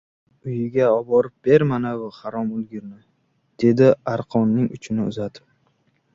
— Uyiga oborib ber, manavi harom o‘lgurni! — dedi arqonning uchini uzatib.